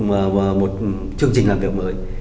một chương trình làm việc mới